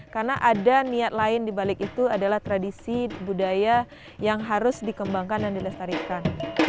karena ada niat lain di balik itu adalah tradisi budaya yang harus dikembangkan dan dilestarikan